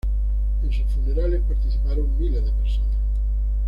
En sus funerales participaron miles de personas.